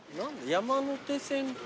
山手線と？